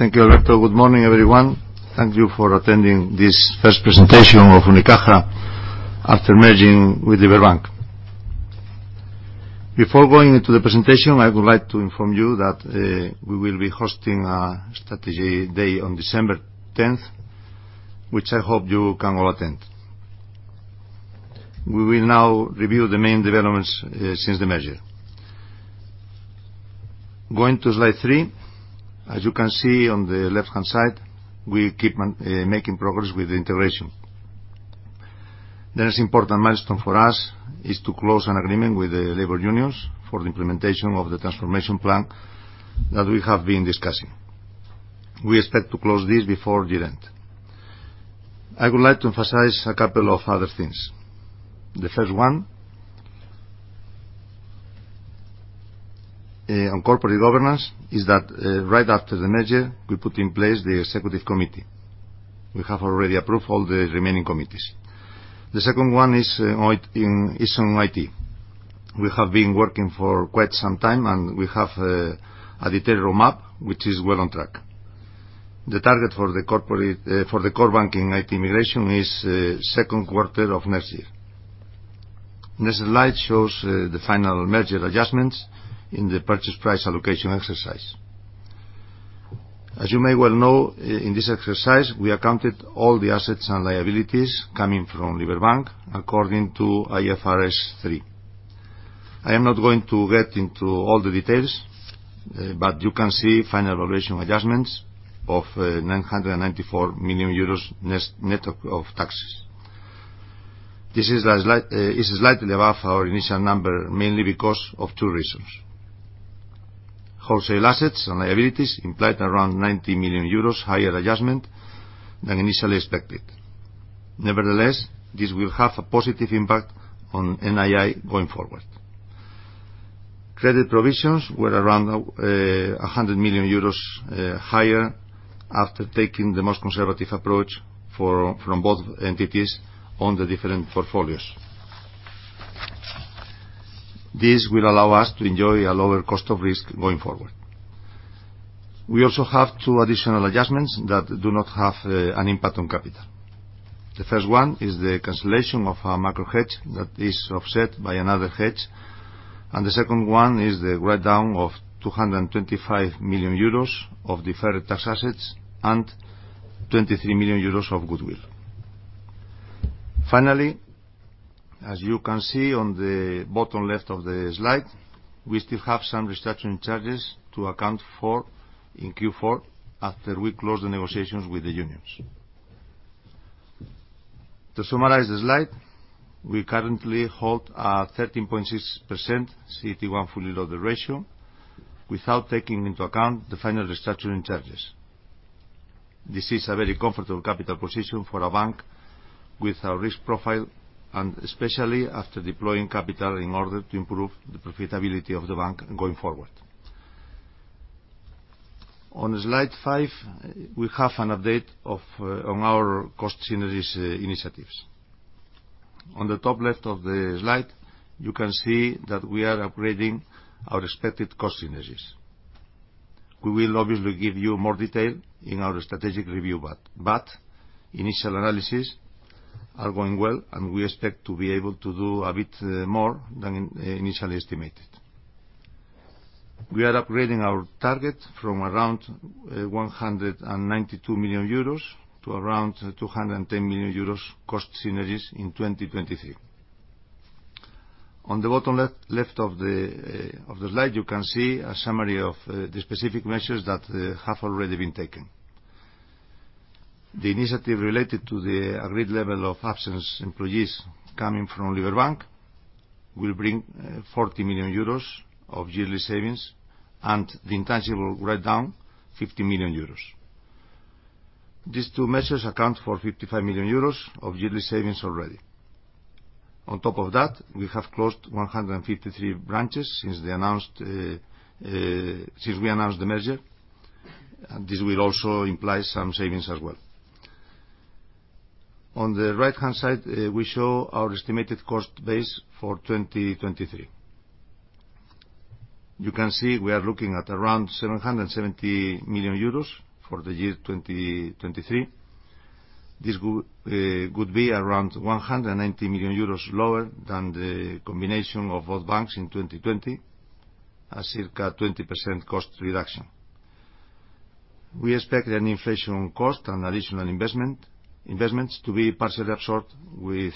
Thank you, Alberto. Good morning, everyone. Thank you for attending this first presentation of Unicaja after merging with Liberbank. Before going into the presentation, I would like to inform you that we will be hosting a strategy day on December 10th, which I hope you can all attend. We will now review the main developments since the merger. Going to slide three. As you can see on the left-hand side, we keep making progress with the integration. The next important milestone for us is to close an agreement with the labor unions for the implementation of the transformation plan that we have been discussing. We expect to close this before year-end. I would like to emphasize a couple of other things. The first one on corporate governance is that right after the merger, we put in place the executive committee. We have already approved all the remaining committees. The second one is on IT. We have been working for quite some time, and we have a detailed roadmap, which is well on track. The target for the core banking IT migration is second quarter of next year. Next slide shows the final merger adjustments in the purchase price allocation exercise. As you may well know, in this exercise, we accounted for all the assets and liabilities coming from Liberbank according to IFRS 3. I am not going to get into all the details, but you can see final valuation adjustments of 994 million euros net of taxes. This is slightly above our initial number, mainly because of two reasons. Wholesale assets and liabilities implied around 90 million euros higher adjustment than initially expected. Nevertheless, this will have a positive impact on NII going forward. Credit provisions were around 100 million euros higher after taking the most conservative approach from both entities on the different portfolios. This will allow us to enjoy a lower cost of risk going forward. We also have two additional adjustments that do not have an impact on capital. The first one is the cancellation of a macro hedge that is offset by another hedge, and the second one is the write-down of 225 million euros of deferred tax assets and 23 million euros of goodwill. Finally, as you can see on the bottom left of the slide, we still have some restructuring charges to account for in Q4 after we close the negotiations with the unions. To summarize the slide, we currently hold a 13.6% CET1 fully loaded ratio without taking into account the final restructuring charges. This is a very comfortable capital position for a bank with our risk profile and especially after deploying capital in order to improve the profitability of the bank going forward. On slide five, we have an update on our cost synergies initiatives. On the top left of the slide, you can see that we are upgrading our expected cost synergies. We will obviously give you more detail in our strategic review, but initial analysis are going well, and we expect to be able to do a bit more than initially estimated. We are upgrading our target from around 192 million euros to around 210 million euros cost synergies in 2023. On the bottom left of the slide, you can see a summary of the specific measures that have already been taken. The initiative related to the agreed level of absenteeism for employees coming from Liberbank will bring 40 million euros of yearly savings and the intangible write-down, 50 million euros. These two measures account for 55 million euros of yearly savings already. On top of that, we have closed 153 branches since we announced the merger. This will also imply some savings as well. On the right-hand side, we show our estimated cost base for 2023. You can see we are looking at around 770 million euros for the year 2023. This would be around 190 million euros lower than the combination of both banks in 2020, a circa 20% cost reduction. We expect an inflation cost and additional investments to be partially absorbed with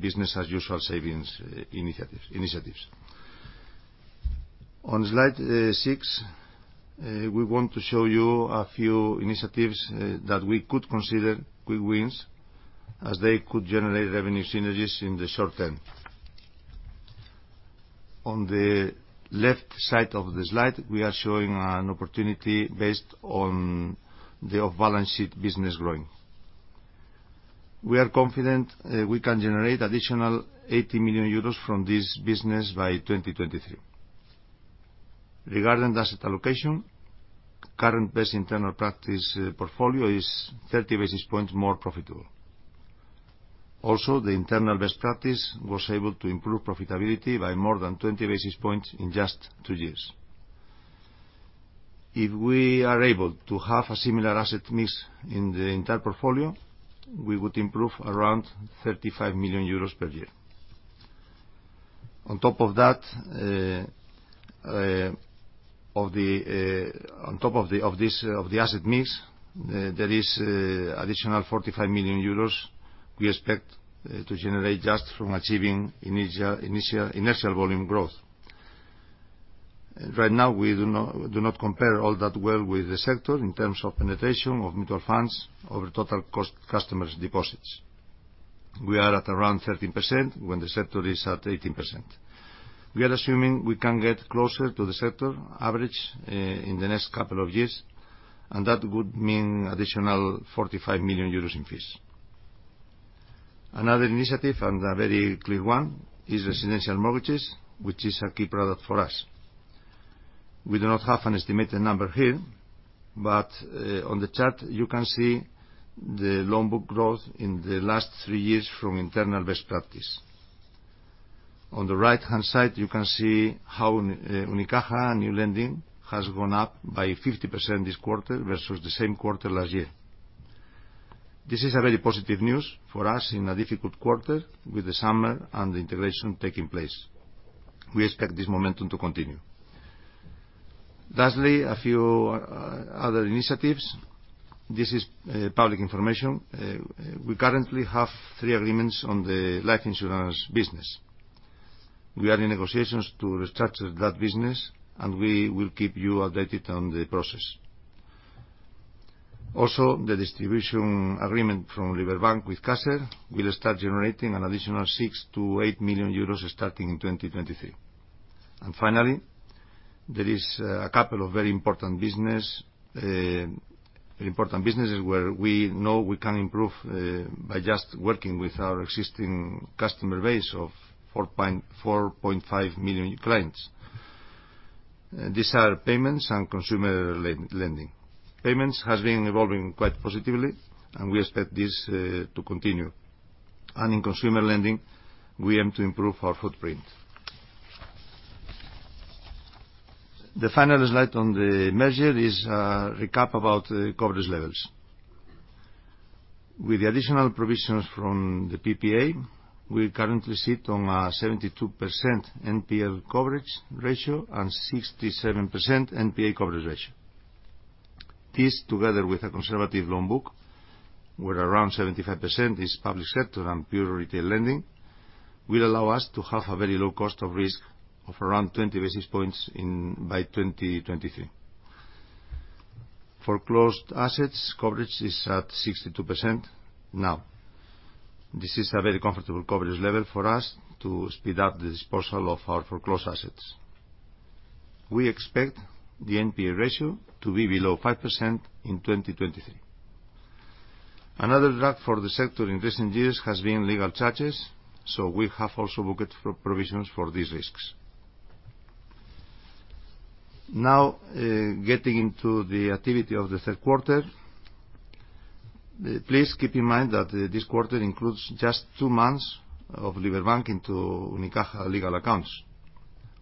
business as usual savings initiatives. On slide six, we want to show you a few initiatives that we could consider quick wins as they could generate revenue synergies in the short term. On the left side of the slide, we are showing an opportunity based on the off-balance sheet business growing. We are confident we can generate additional 80 million euros from this business by 2023. Regarding the asset allocation, current best internal practice portfolio is 30 basis points more profitable. Also, the internal best practice was able to improve profitability by more than 20 basis points in just two years. If we are able to have a similar asset mix in the entire portfolio, we would improve around 35 million euros per year. On top of that, on top of this asset mix, there is additional 45 million euros we expect to generate just from achieving initial volume growth. Right now, we do not compare all that well with the sector in terms of penetration of mutual funds over total customer deposits. We are at around 13% when the sector is at 18%. We are assuming we can get closer to the sector average in the next couple of years, and that would mean additional 45 million euros in fees. Another initiative, and a very clear one, is residential mortgages, which is a key product for us. We do not have an estimated number here, but on the chart, you can see the loan book growth in the last three years from internal best practice. On the right-hand side, you can see how Unicaja new lending has gone up by 50% this quarter versus the same quarter last year. This is a very positive news for us in a difficult quarter with the summer and the integration taking place. We expect this momentum to continue. Lastly, a few other initiatives. This is public information. We currently have three agreements on the life insurance business. We are in negotiations to restructure that business, and we will keep you updated on the process. Also, the distribution agreement from Liberbank with Caser will start generating an additional 6 million-8 million euros starting in 2023. Finally, there is a couple of very important business, very important businesses where we know we can improve, by just working with our existing customer base of 4.5 million clients. These are payments and consumer lending. Payments has been evolving quite positively, and we expect this, to continue. In consumer lending, we aim to improve our footprint. The final slide on the merger is a recap about coverage levels. With the additional provisions from the PPA, we currently sit on a 72% NPL coverage ratio and 67% NPA coverage ratio. This, together with a conservative loan book, where around 75% is public sector and pure retail lending, will allow us to have a very low cost of risk of around 20 basis points in by 2023. Foreclosed assets coverage is at 62% now. This is a very comfortable coverage level for us to speed up the disposal of our foreclosed assets. We expect the NPA ratio to be below 5% in 2023. Another drag for the sector in recent years has been legal charges, so we have also booked for provisions for these risks. Now, getting into the activity of the third quarter. Please keep in mind that this quarter includes just two months of Liberbank into Unicaja legal accounts.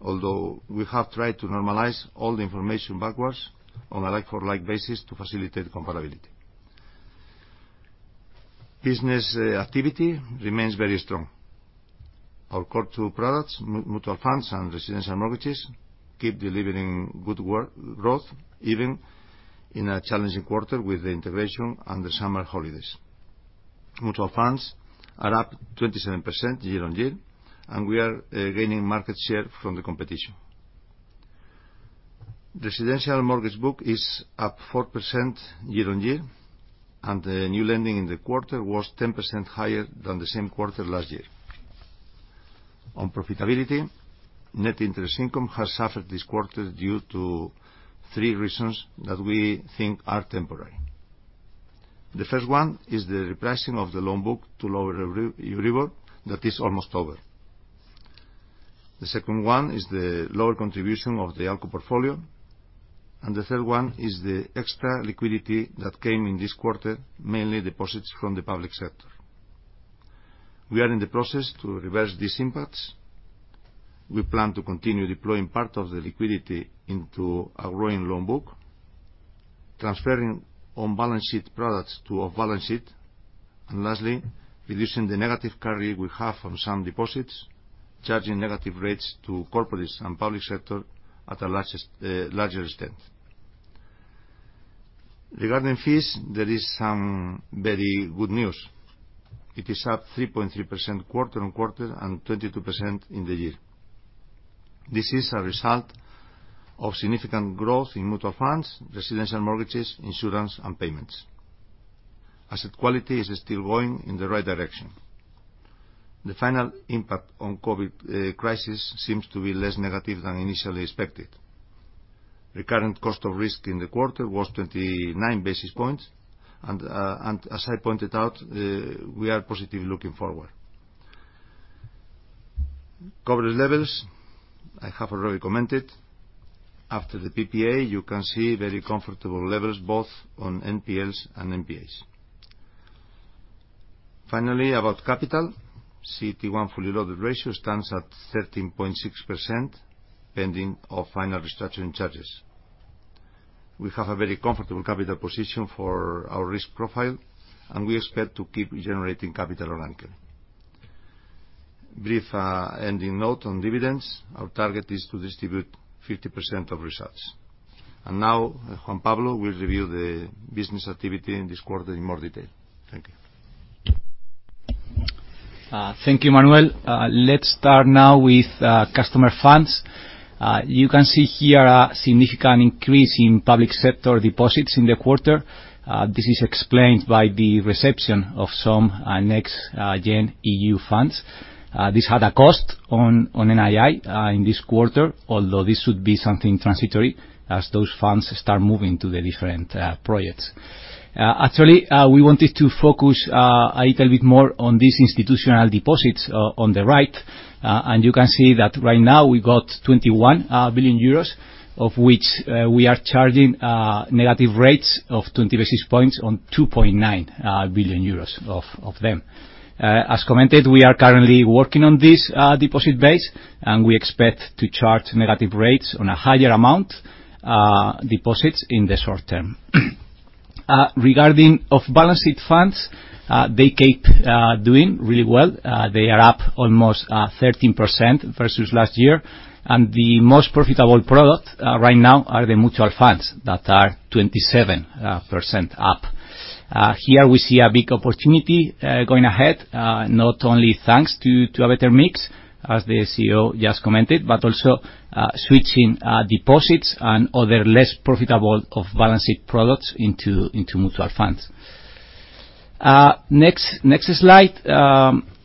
Although we have tried to normalize all the information backwards on a like-for-like basis to facilitate comparability. Business activity remains very strong. Our core two products, mutual funds and residential mortgages, keep delivering good YoY growth, even in a challenging quarter with the integration and the summer holidays. Mutual funds are up 27% year-on-year, and we are gaining market share from the competition. Residential mortgage book is up 4% year-on-year, and the new lending in the quarter was 10% higher than the same quarter last year. On profitability, net interest income has suffered this quarter due to three reasons that we think are temporary. The first one is the repricing of the loan book to lower Euribor that is almost over. The second one is the lower contribution of the ALCO portfolio. The third one is the extra liquidity that came in this quarter, mainly deposits from the public sector. We are in the process to reverse these impacts. We plan to continue deploying part of the liquidity into our growing loan book, transferring on-balance-sheet products to off-balance sheet, and lastly, reducing the negative carry we have on some deposits, charging negative rates to corporates and public sector at a larger extent. Regarding fees, there is some very good news. It is up 3.3% quarter-on-quarter and 22% in the year. This is a result of significant growth in mutual funds, residential mortgages, insurance, and payments. Asset quality is still going in the right direction. The final impact on COVID crisis seems to be less negative than initially expected. The current cost of risk in the quarter was 29 basis points, and as I pointed out, we are positively looking forward. Coverage levels, I have already commented. After the PPA, you can see very comfortable levels both on NPLs and NPA. Finally, about capital, CET1 fully loaded ratio stands at 13.6%, pending of final restructuring charges. We have a very comfortable capital position for our risk profile, and we expect to keep generating capital organically. Brief ending note on dividends, our target is to distribute 50% of results. Now, Juan Pablo will review the business activity in this quarter in more detail. Thank you. Thank you, Manuel. Let's start now with customer funds. You can see here a significant increase in public sector deposits in the quarter. This is explained by the reception of some NextGenerationEU funds. This had a cost on NII in this quarter, although this would be something transitory as those funds start moving to the different projects. Actually, we wanted to focus a little bit more on these institutional deposits on the right, and you can see that right now we've got 21 billion euros, of which we are charging negative rates of 20 basis points on 2.9 billion euros of them. As commented, we are currently working on this deposit base, and we expect to charge negative rates on a higher amount deposits in the short term. Regarding off-balance sheet funds, they keep doing really well. They are up almost 13% versus last year, and the most profitable product right now are the mutual funds that are 27% up. Here we see a big opportunity going ahead, not only thanks to a better mix, as the CEO just commented, but also switching deposits and other less profitable off-balance sheet products into mutual funds. Next slide,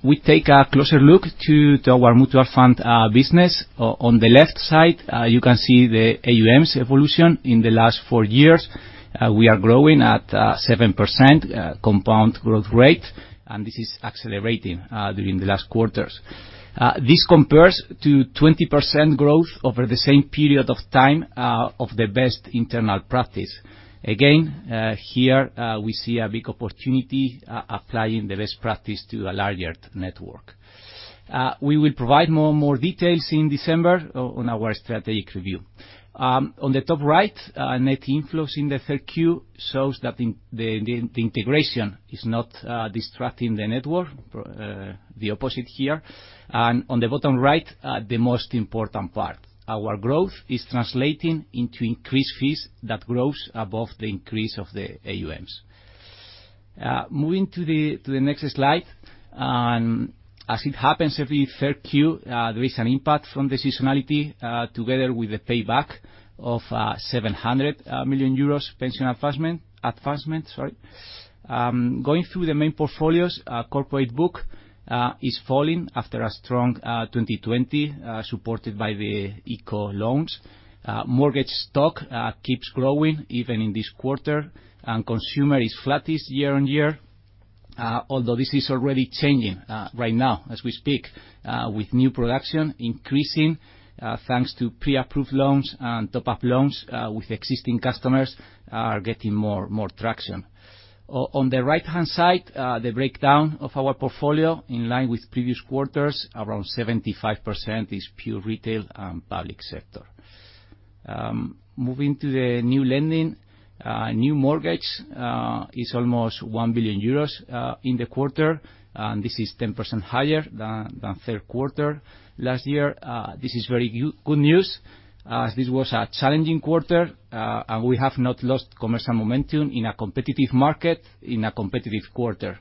we take a closer look to our mutual fund business. On the left side, you can see the AUMs evolution in the last four years. We are growing at 7% compound growth rate, and this is accelerating during the last quarters. This compares to 20% growth over the same period of time of the best internal practice. Again, here, we see a big opportunity applying the best practice to a larger network. We will provide more and more details in December on our strategic review. On the top right, net inflows in the third Q shows that the integration is not distracting the network, the opposite here. On the bottom right, the most important part, our growth is translating into increased fees that grows above the increase of the AUMs. Moving to the next slide, as it happens every third Q, there is an impact from the seasonality, together with the payback of 700 million euros pension advancement, sorry. Going through the main portfolios, our corporate book is falling after a strong 2020, supported by the ICO loans. Mortgage stock keeps growing even in this quarter, and consumer is flat year-on-year, although this is already changing right now as we speak, with new production increasing thanks to pre-approved loans and top-up loans with existing customers are getting more traction. On the right-hand side, the breakdown of our portfolio in line with previous quarters, around 75% is pure retail and public sector. Moving to the new mortgage is almost 1 billion euros in the quarter, and this is 10% higher than third quarter last year. This is very good news as this was a challenging quarter and we have not lost commercial momentum in a competitive market, in a competitive quarter.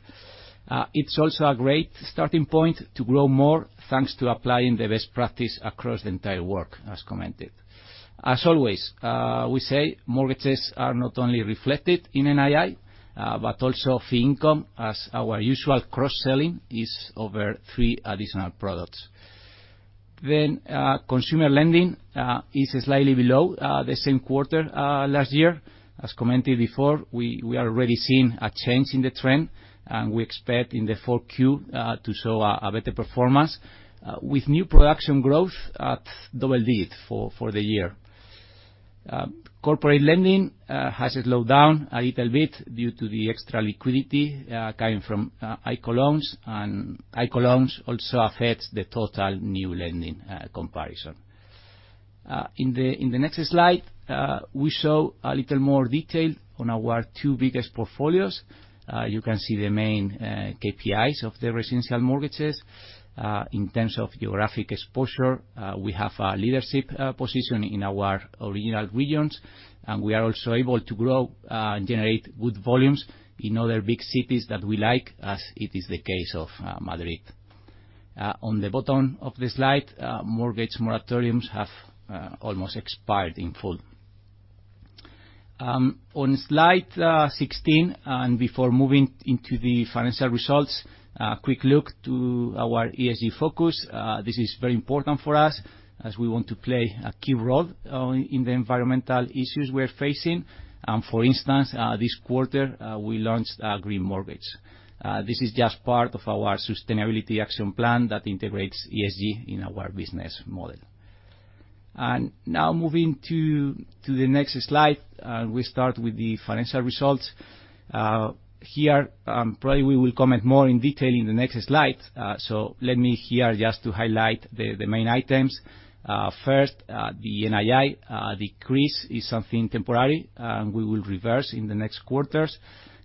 It's also a great starting point to grow more, thanks to applying the best practice across the entire network, as commented. As always, we say mortgages are not only reflected in NII but also fee income as our usual cross-selling is over three additional products. Consumer lending is slightly below the same quarter last year. As commented before, we are already seeing a change in the trend, and we expect in Q4 to show a better performance with new production growth at double digit for the year. Corporate lending has slowed down a little bit due to the extra liquidity coming from ICO loans, and ICO loans also affect the total new lending comparison. In the next slide, we show a little more detail on our two biggest portfolios. You can see the main KPIs of the residential mortgages. In terms of geographic exposure, we have a leadership position in our original regions, and we are also able to grow and generate good volumes in other big cities that we like, as it is the case of Madrid. On the bottom of the slide, mortgage moratoriums have almost expired in full. On slide 16, before moving into the financial results, a quick look to our ESG focus. This is very important for us as we want to play a key role in the environmental issues we're facing. For instance, this quarter, we launched a green mortgage. This is just part of our sustainability action plan that integrates ESG in our business model. Now moving to the next slide, we start with the financial results. Here, probably we will comment more in detail in the next slide, so let me here just to highlight the main items. First, the NII decrease is something temporary, and we will reverse in the next quarters.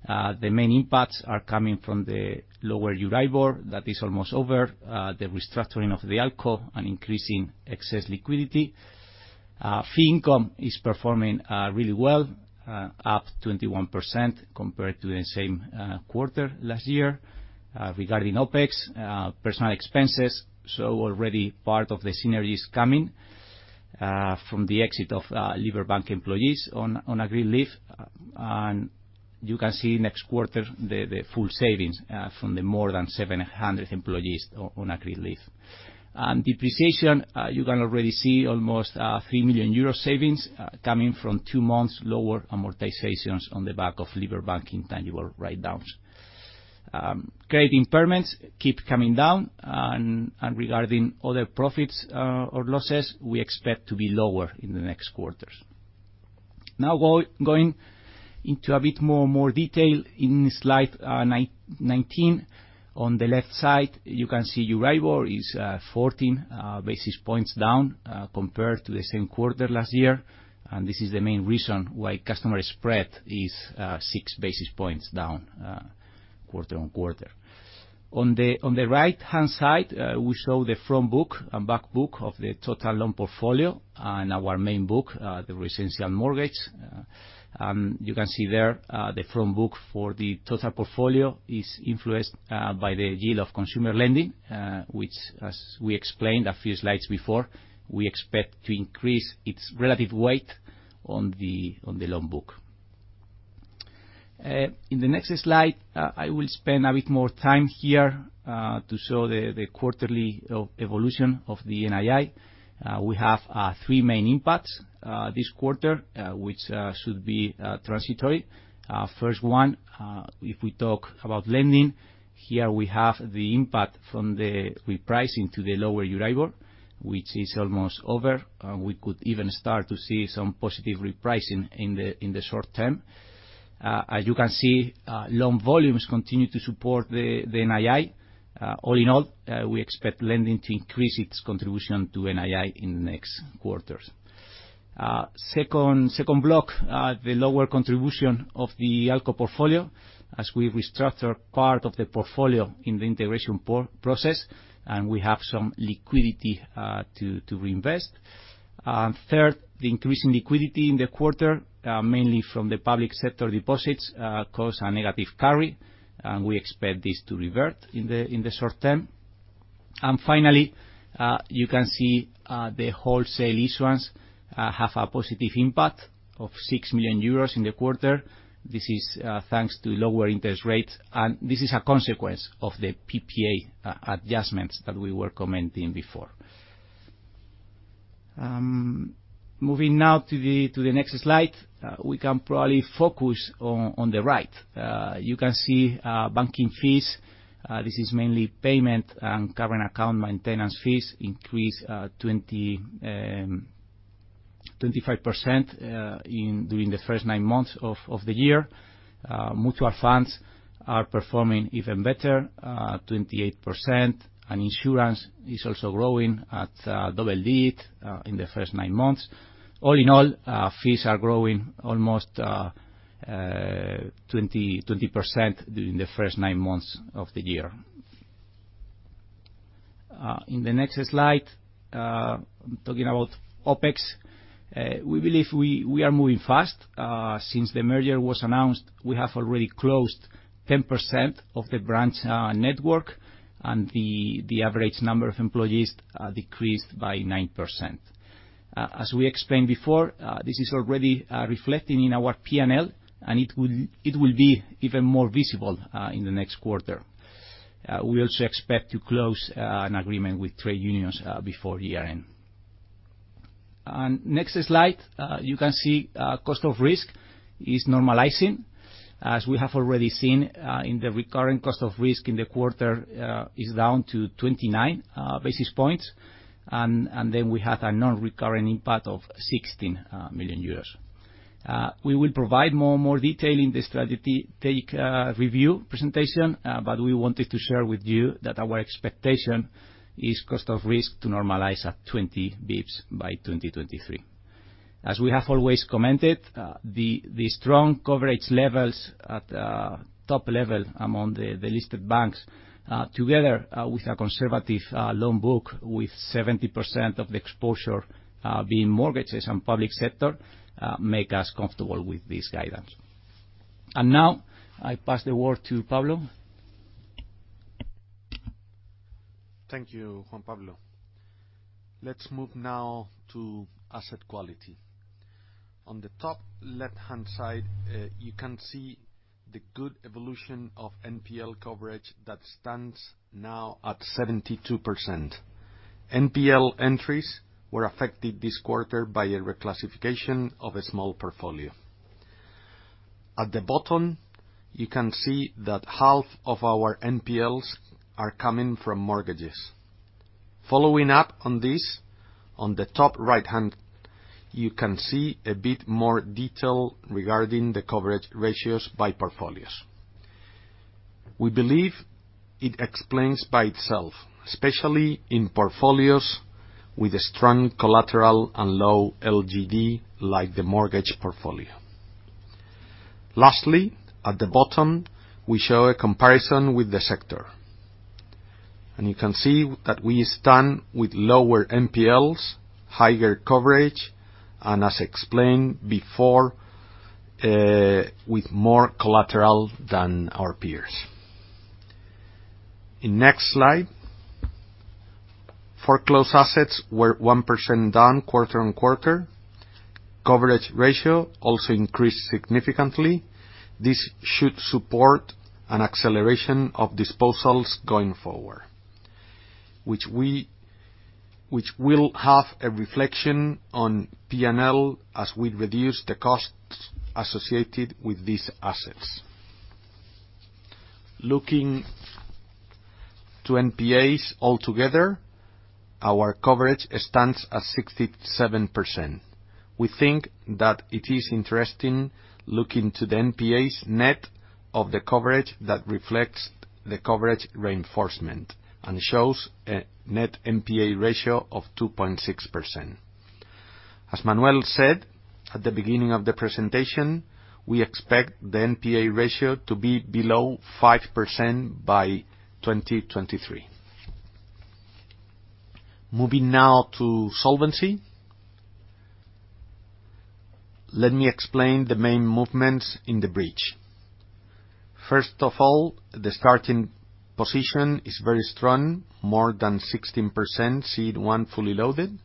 The main impacts are coming from the lower Euribor that is almost over, the restructuring of the ALCO and increasing excess liquidity. Fee income is performing really well, up 21% compared to the same quarter last year. Regarding OpEx, personal expenses, so already part of the synergy is coming from the exit of Liberbank employees on agreed leave. You can see next quarter the full savings from the more than 700 employees on agreed leave. Depreciation, you can already see almost 3 million euro savings coming from two months lower amortizations on the back of Liberbank intangible write-downs. Credit impairments keep coming down. Regarding other profits or losses, we expect to be lower in the next quarters. Now, going into a bit more detail in slide 19. On the left side, you can see Euribor is 14 basis points down compared to the same quarter last year. This is the main reason why customer spread is 6 basis points down quarter-over-quarter. On the right-hand side, we show the front book and back book of the total loan portfolio and our main book, the residential mortgage. You can see there the front book for the total portfolio is influenced by the yield of consumer lending, which, as we explained a few slides before, we expect to increase its relative weight on the loan book. In the next slide, I will spend a bit more time here to show the quarterly evolution of the NII. We have three main impacts this quarter, which should be transitory. First one, if we talk about lending, here we have the impact from the repricing to the lower Euribor, which is almost over, and we could even start to see some positive repricing in the short term. As you can see, loan volumes continue to support the NII. All in all, we expect lending to increase its contribution to NII in the next quarters. Second block, the lower contribution of the ALCO portfolio as we restructure part of the portfolio in the integration process, and we have some liquidity to reinvest. Third, the increase in liquidity in the quarter, mainly from the public sector deposits, cause a negative carry, and we expect this to revert in the short term. Finally, you can see the wholesale issuance have a positive impact of 6 million euros in the quarter. This is thanks to lower interest rates, and this is a consequence of the PPA adjustments that we were commenting before. Moving now to the next slide, we can probably focus on the right. You can see banking fees, this is mainly payment and current account maintenance fees increased 25% during the first nine months of the year. Mutual funds are performing even better, 28%. Insurance is also growing at double digits in the first nine months. All in all, fees are growing almost 20% during the first nine months of the year. In the next slide, talking about OpEx, we believe we are moving fast. Since the merger was announced, we have already closed 10% of the branch network, and the average number of employees decreased by 9%. As we explained before, this is already reflecting in our P&L, and it will be even more visible in the next quarter. We also expect to close an agreement with trade unions before year-end. Next slide, you can see cost of risk is normalizing. As we have already seen, in the recurring cost of risk in the quarter is down to 29 basis points. Then we had a non-recurring impact of 16 million euros. We will provide more and more detail in the strategic review presentation, but we wanted to share with you that our expectation is cost of risk to normalize at 20 basis points by 2023. As we have always commented, the strong coverage levels at top level among the listed banks, together with a conservative loan book with 70% of the exposure being mortgages and public sector make us comfortable with this guidance. Now I pass the word to Pablo. Thank you, Pablo González. Let's move now to asset quality. On the top left-hand side, you can see the good evolution of NPL coverage that stands now at 72%. NPL entries were affected this quarter by a reclassification of a small portfolio. At the bottom, you can see that half of our NPLs are coming from mortgages. Following up on this, on the top right hand, you can see a bit more detail regarding the coverage ratios by portfolios. We believe it explains by itself, especially in portfolios with a strong collateral and low LGD, like the mortgage portfolio. Lastly, at the bottom, we show a comparison with the sector. You can see that we stand with lower NPLs, higher coverage, and as explained before, with more collateral than our peers. On the next slide, foreclosed assets were 1% down quarter-on-quarter. Coverage ratio also increased significantly. This should support an acceleration of disposals going forward, which will have a reflection on P&L as we reduce the costs associated with these assets. Looking to NPAs altogether, our coverage stands at 67%. We think that it is interesting looking to the NPAs net of the coverage that reflects the coverage reinforcement and shows a net NPA ratio of 2.6%. As Manuel said at the beginning of the presentation, we expect the NPA ratio to be below 5% by 2023. Moving now to solvency. Let me explain the main movements in the bridge. First of all, the starting position is very strong, more than 16%, CET1 fully loaded.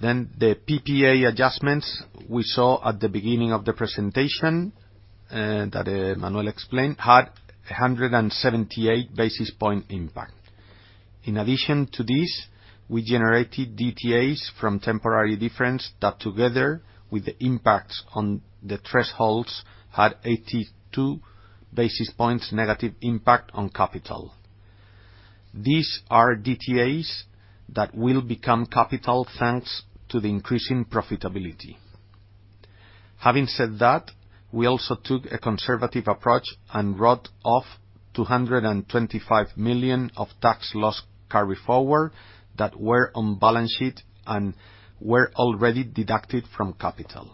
Then the PPA adjustments we saw at the beginning of the presentation that Manuel explained had a 178 basis point impact. In addition to this, we generated DTAs from temporary difference that together with the impact on the thresholds had 82 basis points negative impact on capital. These are DTAs that will become capital thanks to the increase in profitability. Having said that, we also took a conservative approach and wrote off 225 million of tax loss carry forward that were on balance sheet and were already deducted from capital.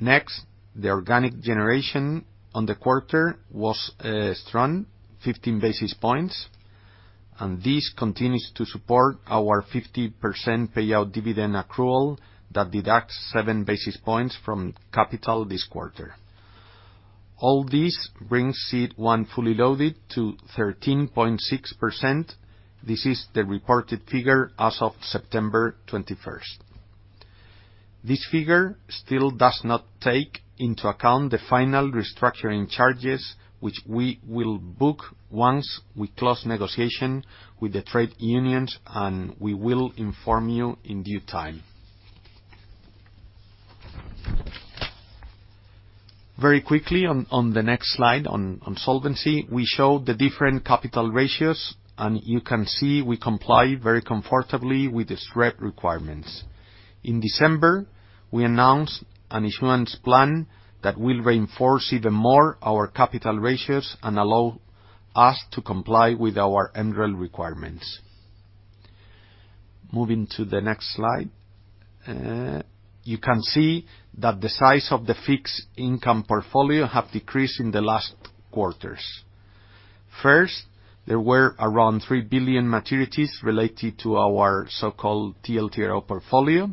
Next, the organic generation on the quarter was strong, 15 basis points. This continues to support our 50% payout dividend accrual that deducts 7 basis points from capital this quarter. All this brings CET1 fully loaded to 13.6%. This is the reported figure as of September twenty-first. This figure still does not take into account the final restructuring charges which we will book once we close negotiation with the trade unions and we will inform you in due time. Very quickly on the next slide on solvency, we show the different capital ratios, and you can see we comply very comfortably with the SREP requirements. In December, we announced an issuance plan that will reinforce even more our capital ratios and allow us to comply with our MREL requirements. Moving to the next slide. You can see that the size of the fixed income portfolio have decreased in the last quarters. First, there were around 3 billion maturities related to our so-called TLTRO portfolio.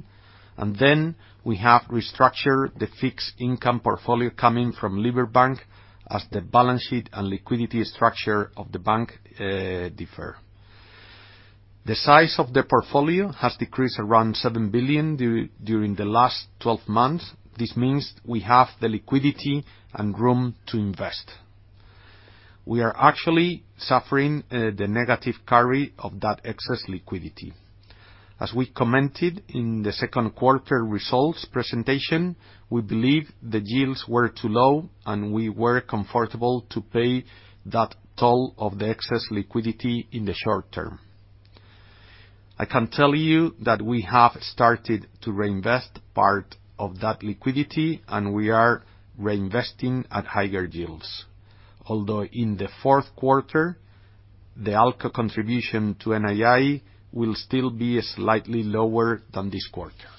Then we have restructured the fixed income portfolio coming from Liberbank as the balance sheet and liquidity structure of the bank differ. The size of the portfolio has decreased around 7 billion during the last 12 months. This means we have the liquidity and room to invest. We are actually suffering the negative carry of that excess liquidity. As we commented in the second quarter results presentation, we believe the yields were too low and we were comfortable to pay that toll of the excess liquidity in the short term. I can tell you that we have started to reinvest part of that liquidity, and we are reinvesting at higher yields. Although in the fourth quarter, the ALCO contribution to NII will still be slightly lower than this quarter.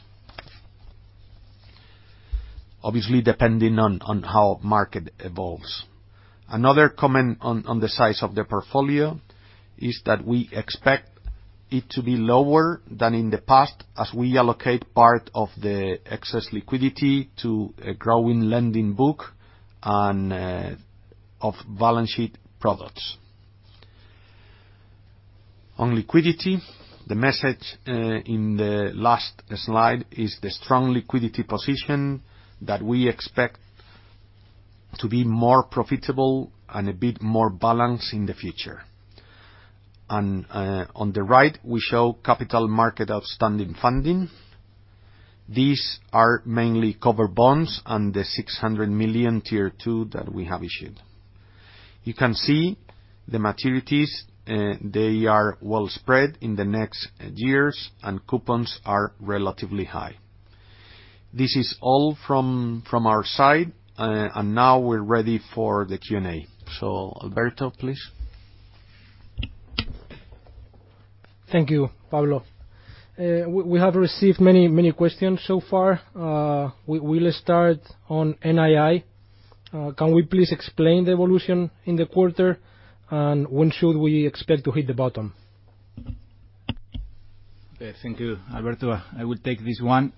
Obviously, depending on how market evolves. Another comment on the size of the portfolio is that we expect it to be lower than in the past as we allocate part of the excess liquidity to a growing lending book and off-balance sheet products. On liquidity, the message in the last slide is the strong liquidity position that we expect To be more profitable and a bit more balanced in the future. On the right, we show capital market outstanding funding. These are mainly covered bonds and the 600 million Tier 2 that we have issued. You can see the maturities, they are well spread in the next years, and coupons are relatively high. This is all from our side. Now we're ready for the Q&A. Alberto, please. Thank you, Pablo. We have received many questions so far. We'll start on NII. Can we please explain the evolution in the quarter, and when should we expect to hit the bottom? Yes, thank you, Alberto. I will take this one.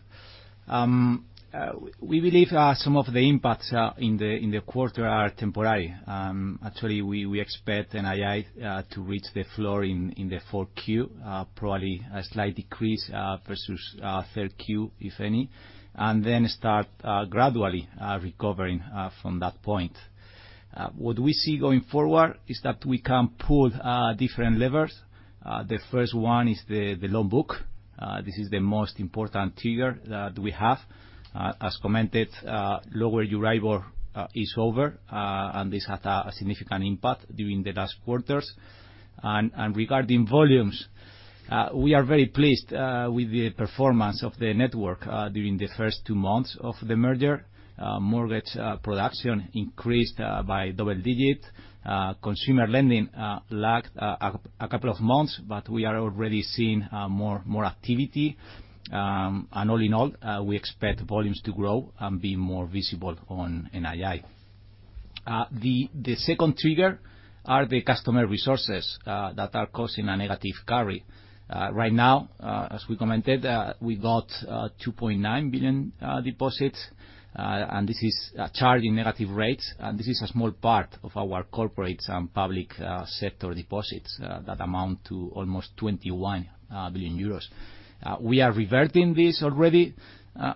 We believe some of the impacts in the quarter are temporary. Actually we expect NII to reach the floor in the 4Q, probably a slight decrease versus 3Q, if any, and then start gradually recovering from that point. What we see going forward is that we can pull different levers. The first one is the loan book. This is the most important trigger that we have. As commented, lower Euribor is over, and this had a significant impact during the last quarters. Regarding volumes, we are very pleased with the performance of the network during the first two months of the merger. Mortgage production increased by double digit. Consumer lending lagged a couple of months, but we are already seeing more activity. All in all, we expect volumes to grow and be more visible on NII. The second trigger are the customer resources that are causing a negative carry. Right now, as we commented, we got 2.9 billion deposits, and this is charging negative rates, and this is a small part of our corporate and public sector deposits that amount to almost 21 billion euros. We are reverting this already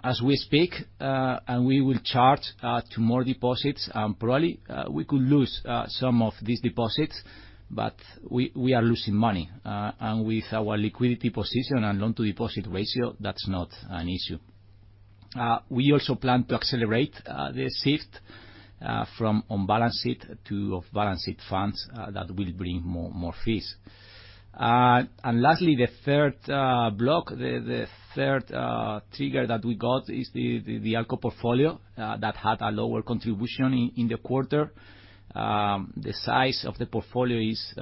as we speak. We will charge to more deposits, and probably we could lose some of these deposits, but we are losing money. With our liquidity position and loan to deposit ratio, that's not an issue. We also plan to accelerate the shift from on-balance sheet to off-balance sheet funds that will bring more fees. Lastly, the third block, the ALCO portfolio that had a lower contribution in the quarter. The size of the portfolio is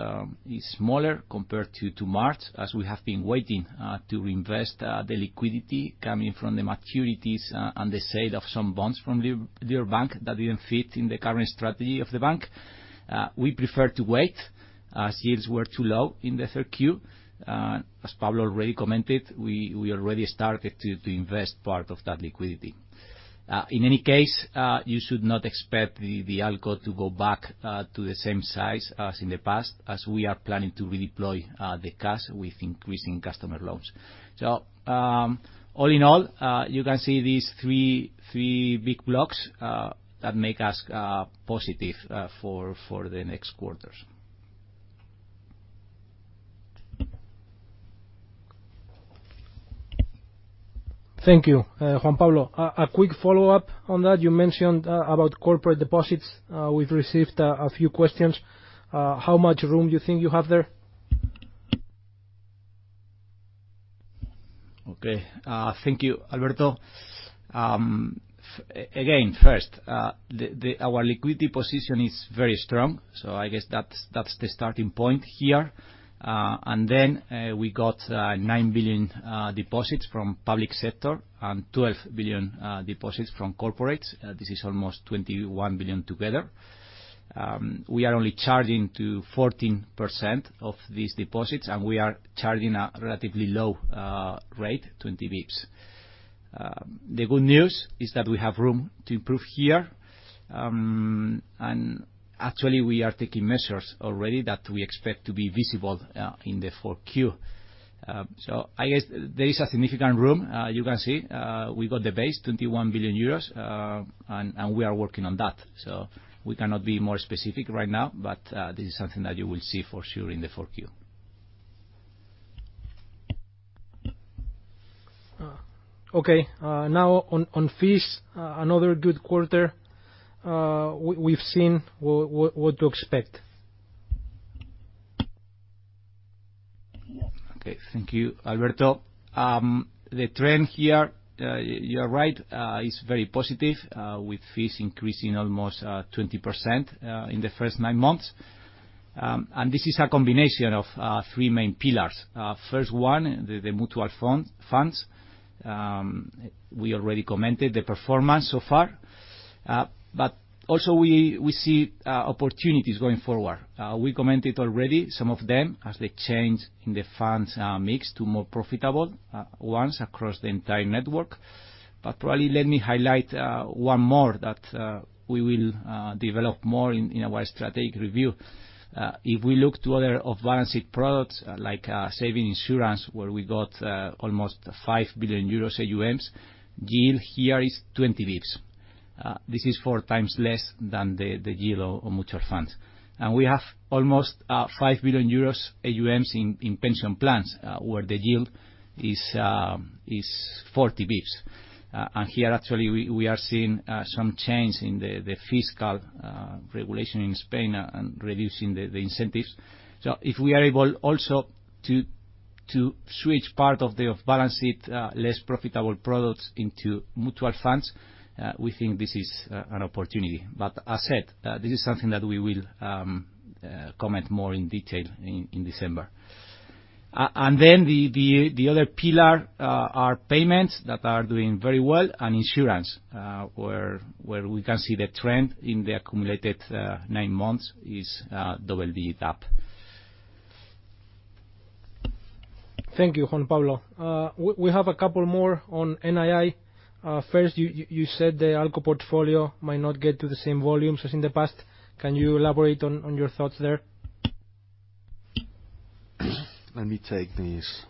smaller compared to March, as we have been waiting to reinvest the liquidity coming from the maturities and the sale of some bonds from the other bank that didn't fit in the current strategy of the bank. We prefer to wait, as yields were too low in the third Q. As Pablo already commented, we already started to invest part of that liquidity. In any case, you should not expect the ALCO to go back to the same size as in the past, as we are planning to redeploy the cash with increasing customer loans. All in all, you can see these three big blocks that make us positive for the next quarters. Thank you. Juan Pablo, a quick follow-up on that. You mentioned about corporate deposits. We've received a few questions. How much room do you think you have there? Okay. Thank you, Alberto. Again, first, our liquidity position is very strong, so I guess that's the starting point here. We got 9 billion deposits from public sector and 12 billion deposits from corporates. This is almost 21 billion together. We are only charging to 14% of these deposits, and we are charging a relatively low rate, 20 basis points. The good news is that we have room to improve here. Actually we are taking measures already that we expect to be visible in the 4Q. I guess there is a significant room. You can see we got the base, 21 billion euros, and we are working on that. We cannot be more specific right now, but this is something that you will see for sure in the Q4. Okay. Now on fees, another good quarter we've seen. What to expect? Okay. Thank you, Alberto. The trend here, you're right, is very positive, with fees increasing almost 20% in the first nine months. This is a combination of three main pillars. First one, the mutual funds. We already commented the performance so far. Also we see opportunities going forward. We commented already some of them as the change in the funds mix to more profitable ones across the entire network. Probably let me highlight one more that we will develop more in our strategic review. If we look to other off-balance sheet products like savings insurance, where we got almost 5 billion euros AUMs, yield here is 20 basis points. This is four times less than the yield on mutual funds. We have almost 5 billion euros AUMs in pension plans, where the yield is 40 basis points. Here, actually, we are seeing some change in the fiscal regulation in Spain and reducing the incentives. If we are able also to switch part of the off-balance sheet less profitable products into mutual funds, we think this is an opportunity. As said, this is something that we will comment more in detail in December. Then the other pillar are payments that are doing very well and insurance, where we can see the trend in the accumulated nine months is doubly up. Thank you, Juan Pablo. We have a couple more on NII. First, you said the ALCO portfolio might not get to the same volumes as in the past. Can you elaborate on your thoughts there? Let me take this.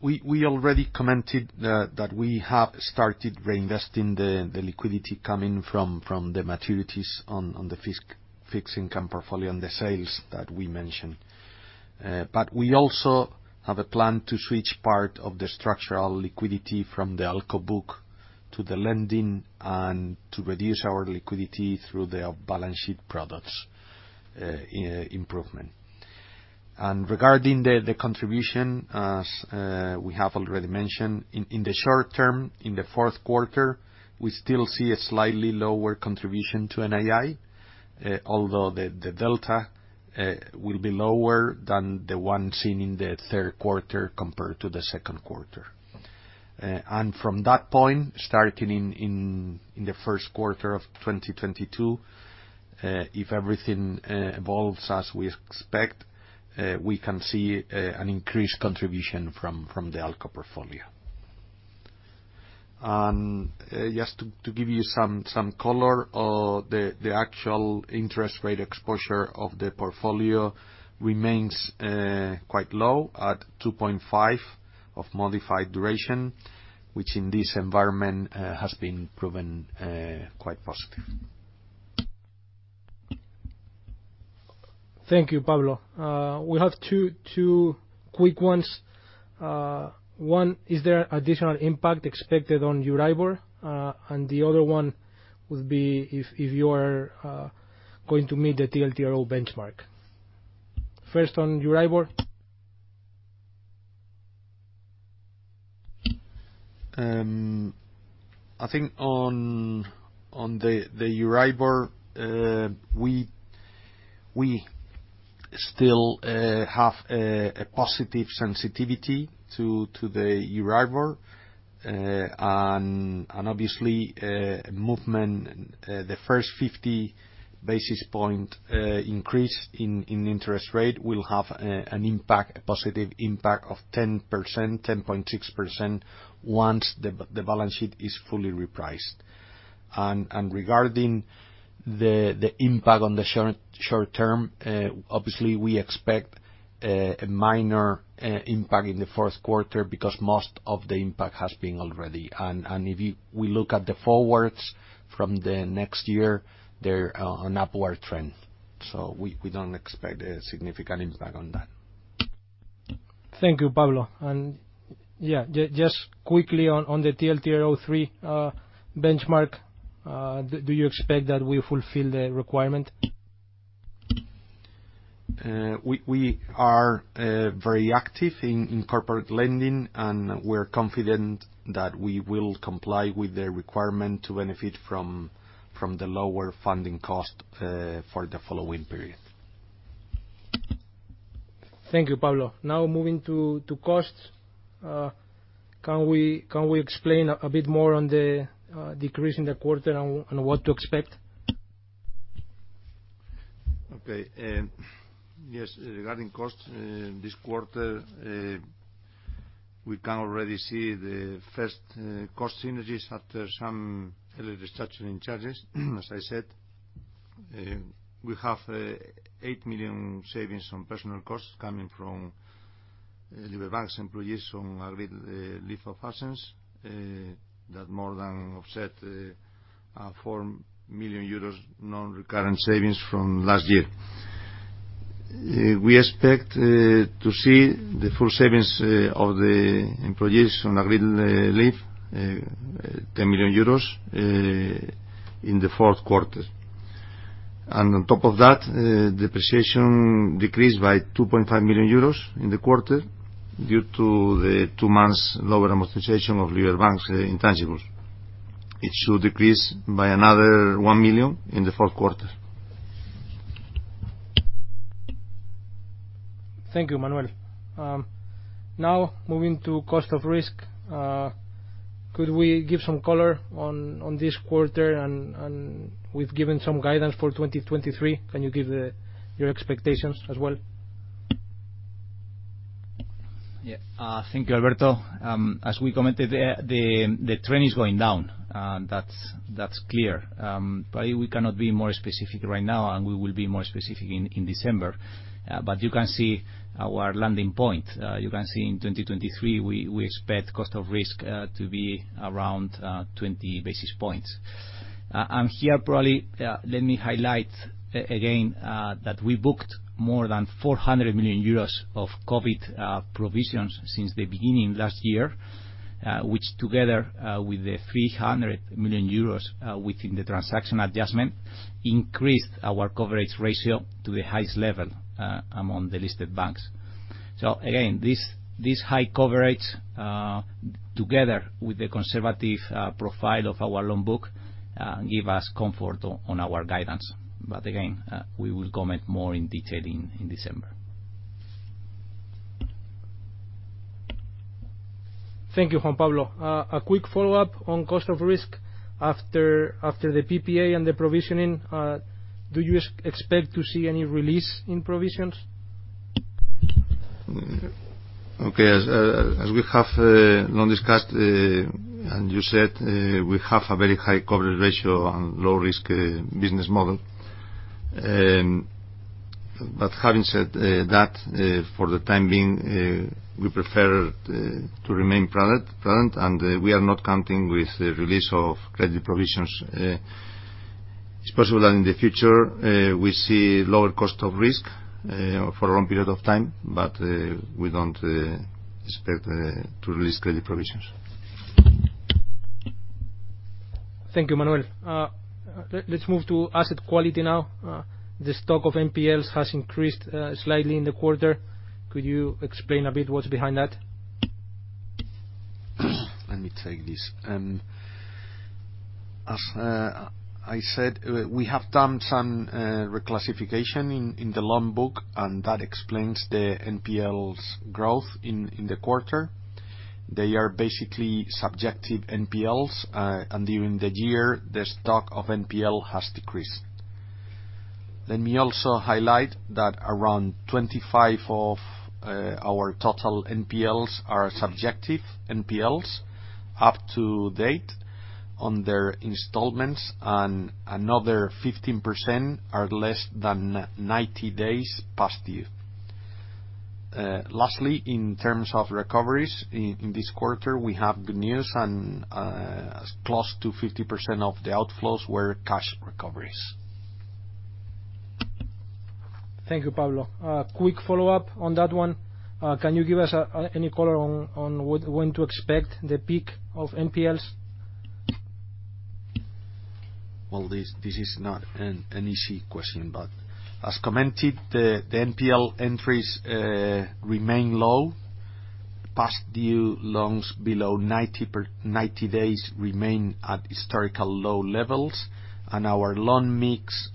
We already commented that we have started reinvesting the liquidity coming from the maturities on the fixed income portfolio and the sales that we mentioned. But we also have a plan to switch part of the structural liquidity from the ALCO book to the lending, and to reduce our liquidity through the off-balance sheet products, improvement. Regarding the contribution, as we have already mentioned, in the short term, in the fourth quarter, we still see a slightly lower contribution to NII, although the delta will be lower than the one seen in the third quarter compared to the second quarter. From that point, starting in the first quarter of 2022, if everything evolves as we expect, we can see an increased contribution from the ALCO portfolio. Just to give you some color, the actual interest rate exposure of the portfolio remains quite low at 2.5 of modified duration, which in this environment has been proven quite positive. Thank you, Pablo. We have two quick ones. One, is there additional impact expected on EURIBOR? And the other one would be if you are going to meet the TLTRO benchmark. First on EURIBOR. I think on the Euribor, we still have a positive sensitivity to the Euribor. Obviously, movement the first 50 basis point increase in interest rate will have an impact, positive impact of 10%, 10.6% once the balance sheet is fully repriced. Regarding the impact on the short term, obviously, we expect a minor impact in the fourth quarter because most of the impact has been already. We look at the forwards from the next year, they're an upward trend. We don't expect a significant impact on that. Thank you, Pablo. Yeah, just quickly on the TLTRO three benchmark, do you expect that we'll fulfill the requirement? We are very active in corporate lending, and we're confident that we will comply with the requirement to benefit from the lower funding cost for the following period. Thank you, Pablo. Now moving to costs, can we explain a bit more on the decrease in the quarter and what to expect? Okay, yes, regarding costs, this quarter, we can already see the first cost synergies after some early restructuring charges. As I said, we have 8 million savings on personal costs coming from Liberbank's employees on agreed leave of absence that more than offset 4 million euros non-recurrent savings from last year. We expect to see the full savings of the employees on agreed leave, EUR 10 million, in the fourth quarter. On top of that, depreciation decreased by 25 million euros in the quarter due to the two months lower amortization of Liberbank's intangibles. It should decrease by another 1 million in the fourth quarter. Thank you, Manuel. Now moving to cost of risk, could we give some color on this quarter and we've given some guidance for 2023. Can you give your expectations as well? Yeah. Thank you, Alberto. As we commented, the trend is going down, that's clear. But we cannot be more specific right now, and we will be more specific in December. But you can see our landing point. You can see in 2023, we expect cost of risk to be around 20 basis points. Here probably, let me highlight again that we booked more than 400 million euros of COVID provisions since the beginning of last year, which together with the 300 million euros within the transaction adjustment, increased our coverage ratio to the highest level among the listed banks. Again, this high coverage together with the conservative profile of our loan book give us comfort on our guidance. Again, we will comment more in detail in December. Thank you, Juan Pablo. A quick follow-up on cost of risk. After the PPA and the provisioning, do you expect to see any release in provisions? Okay. As we have long discussed, and you said, we have a very high coverage ratio and low risk business model. Having said that, for the time being, we prefer to remain prudent, and we are not counting with the release of credit provisions. It's possible that in the future, we see lower cost of risk for a long period of time, but we don't expect to release credit provisions. Thank you, Manuel. Let's move to asset quality now. The stock of NPLs has increased slightly in the quarter. Could you explain a bit what's behind that? Let me take this. As I said, we have done some reclassification in the loan book, and that explains the NPLs growth in the quarter. They are basically subjective NPLs. During the year, the stock of NPL has decreased. Let me also highlight that around 25 of our total NPLs are subjective NPLs up to date on their installments, and another 15% are less than 90 days past due. Lastly, in terms of recoveries, in this quarter, we have good news, and close to 50% of the outflows were cash recoveries. Thank you, Pablo. A quick follow-up on that one. Can you give us any color on when to expect the peak of NPLs? Well, this is not an easy question, but as commented, the NPL entries remain low. Past due loans below 90 days remain at historical low levels, and our loan mix,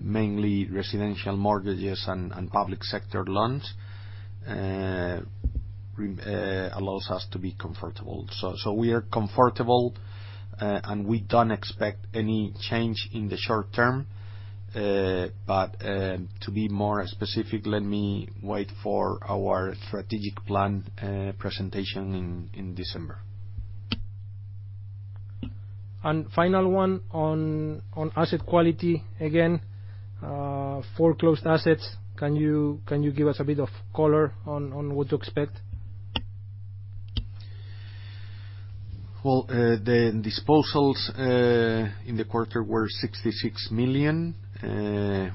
mainly residential mortgages and public sector loans, allows us to be comfortable. We are comfortable, and we don't expect any change in the short term. To be more specific, let me wait for our strategic plan presentation in December. Final one on asset quality again. Foreclosed assets, can you give us a bit of color on what to expect? Well, the disposals in the quarter were 66 million,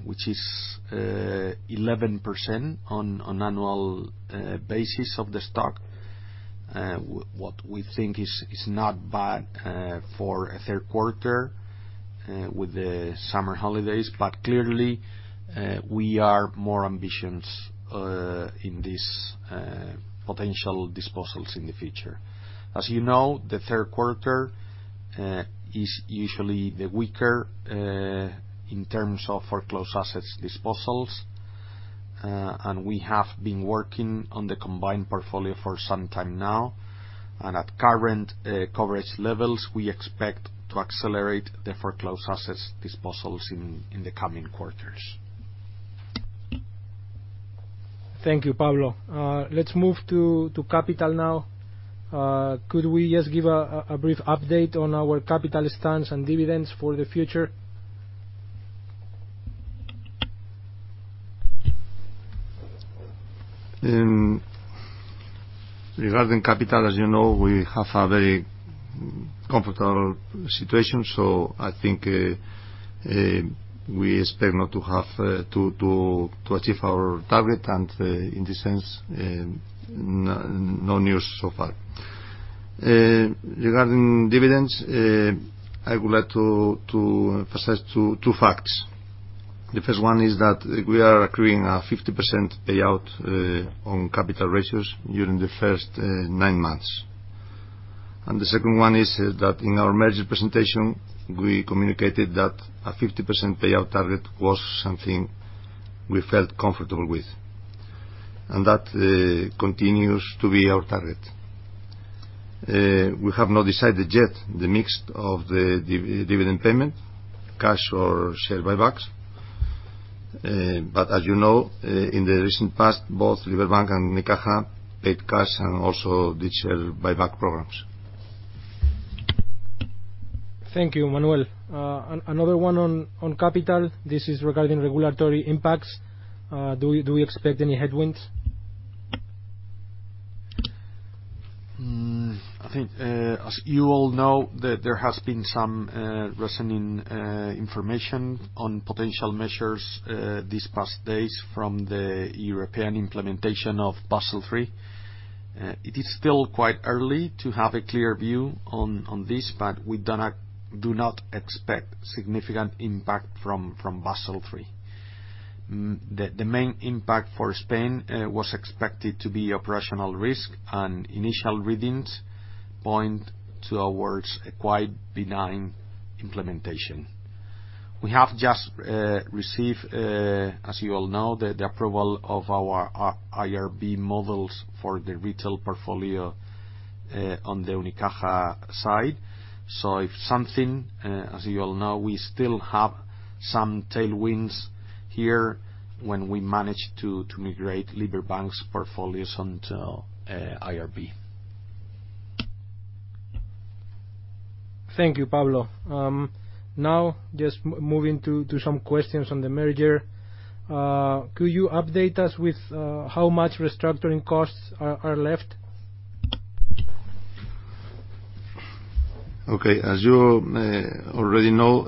which is 11% on annual basis of the stock. What we think is not bad for a third quarter with the summer holidays, but clearly, we are more ambitious in this potential disposals in the future. As you know, the third quarter is usually the weaker in terms of foreclosed assets disposals. We have been working on the combined portfolio for some time now, and at current coverage levels, we expect to accelerate the foreclosed assets disposals in the coming quarters. Thank you, Pablo. Let's move to capital now. Could we just give a brief update on our capital stance and dividends for the future? Regarding capital, as you know, we have a very comfortable situation. I think we expect not to have to achieve our target. In this sense, no news so far. Regarding dividends, I would like to emphasize two facts. The first one is that we are accruing a 50% payout on capital ratios during the first nine months. The second one is that in our merger presentation, we communicated that a 50% payout target was something we felt comfortable with. That continues to be our target. We have not decided yet the mix of the dividend payment, cash or share buybacks. As you know, in the recent past, both Liberbank and Cajamar paid cash and also did share buyback programs. Thank you, Manuel. Another one on capital. This is regarding regulatory impacts. Do we expect any headwinds? I think, as you all know, there has been some recent information on potential measures these past days from the European implementation of Basel III. It is still quite early to have a clear view on this, but we do not expect significant impact from Basel III. The main impact for Spain was expected to be operational risk, and initial readings point towards a quite benign implementation. We have just received, as you all know, the approval of our IRB models for the retail portfolio on the Unicaja side. As you all know, we still have some tailwinds here when we manage to migrate Liberbank's portfolios onto IRB. Thank you, Pablo. Now just moving to some questions on the merger. Could you update us with how much restructuring costs are left? Okay. As you already know,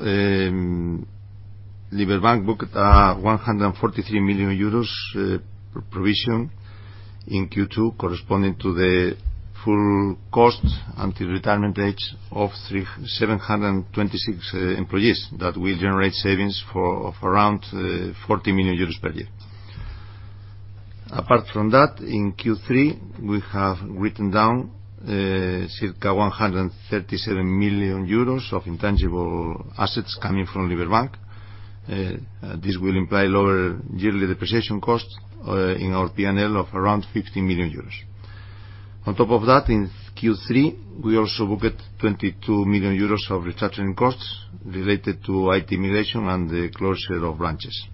Liberbank booked 143 million euros provision in Q2 corresponding to the full cost until retirement age of 726 employees that will generate savings for around 40 million euros per year. Apart from that, in Q3, we have written down circa 137 million euros of intangible assets coming from Liberbank. This will imply lower yearly depreciation costs in our P&L of around 50 million euros. On top of that, in Q3, we also booked 22 million euros of restructuring costs related to IT migration and the closure of branches.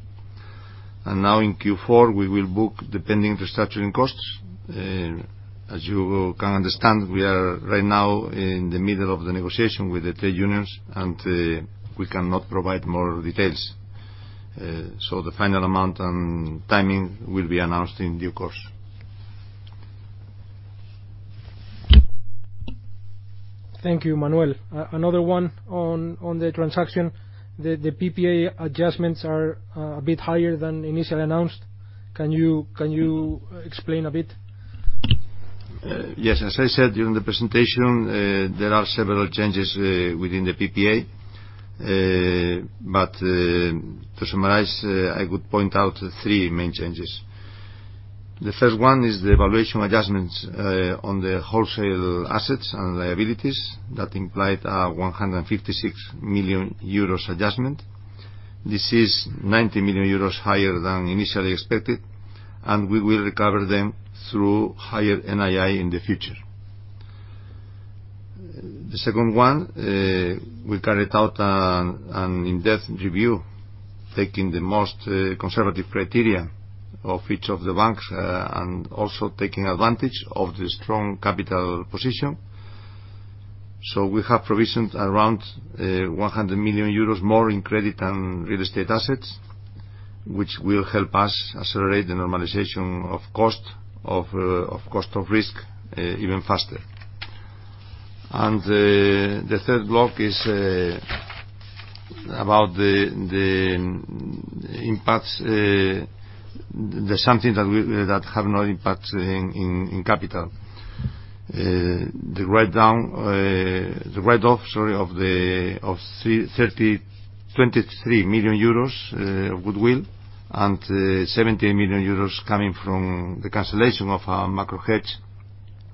Now in Q4, we will book additional restructuring costs. As you can understand, we are right now in the middle of the negotiation with the trade unions, and we cannot provide more details. The final amount and timing will be announced in due course. Thank you, Manuel. Another one on the transaction. The PPA adjustments are a bit higher than initially announced. Can you explain a bit? Yes. As I said during the presentation, there are several changes within the PPA. To summarize, I would point out three main changes. The first one is the valuation adjustments on the wholesale assets and liabilities that implied a 156 million euros adjustment. This is 90 million euros higher than initially expected, and we will recover them through higher NII in the future. The second one, we carried out an in-depth review taking the most conservative criteria of each of the banks, and also taking advantage of the strong capital position. We have provisioned around 100 million euros more in credit and real estate assets, which will help us accelerate the normalization of cost of risk even faster. The third block is about the impacts that have no impact in capital. The write-off, sorry, of 23 million euros goodwill and 17 million euros coming from the cancellation of our macro hedge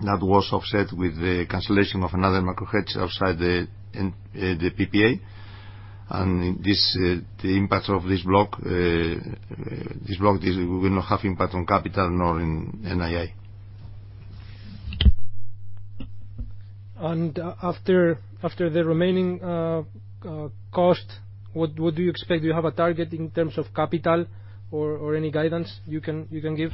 that was offset with the cancellation of another macro hedge outside the PPA. The impact of this block will not have impact on capital nor in NII. After the remaining cost, what do you expect? Do you have a target in terms of capital or any guidance you can give?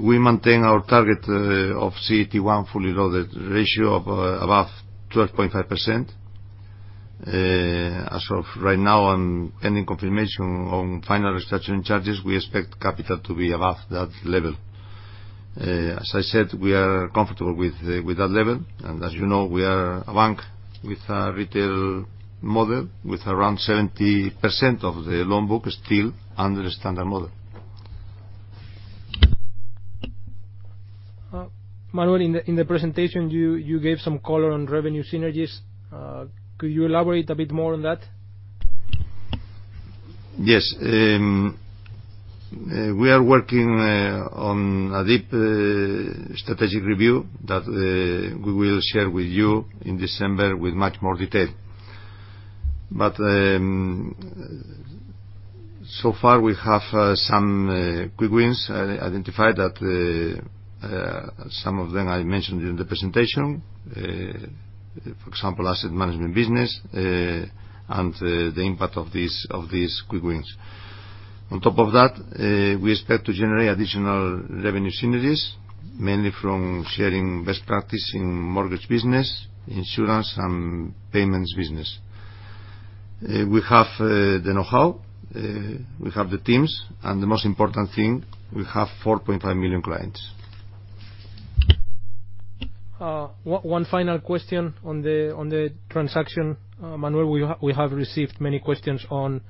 We maintain our target of CET1 fully loaded ratio of above 12.5%. As of right now and pending confirmation on final restructuring charges, we expect capital to be above that level. As I said, we are comfortable with that level. As you know, we are a bank with a retail model with around 70% of the loan book still under the standard model. Manuel, in the presentation you gave some color on revenue synergies. Could you elaborate a bit more on that? Yes. We are working on a deep strategic review that we will share with you in December with much more detail. So far we have some quick wins identified that some of them I mentioned in the presentation. For example, asset management business, and the impact of these quick wins. On top of that, we expect to generate additional revenue synergies, mainly from sharing best practice in mortgage business, insurance, and payments business. We have the know-how, we have the teams, and the most important thing, we have 4.5 million clients. One final question on the transaction. Manuel, we have received many questions on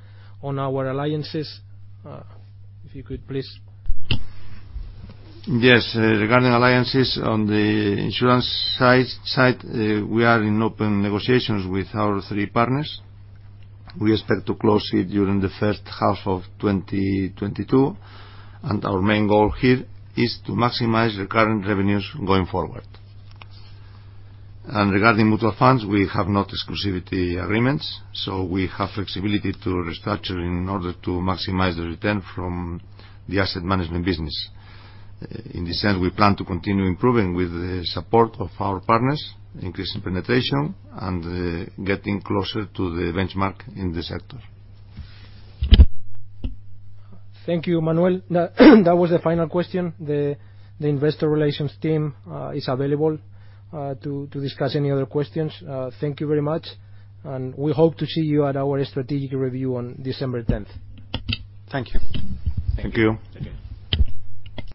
our alliances. If you could please. Yes. Regarding alliances on the insurance side, we are in open negotiations with our three partners. We expect to close it during the first half of 2022, and our main goal here is to maximize recurring revenues going forward. Regarding mutual funds, we have no exclusivity agreements, so we have flexibility to restructure in order to maximize the return from the asset management business. In this sense, we plan to continue improving with the support of our partners, increasing penetration, and getting closer to the benchmark in the sector. Thank you, Manuel. That was the final question. The investor relations team is available to discuss any other questions. Thank you very much, and we hope to see you at our strategic review on December 10th. Thank you. Thank you. Thank you.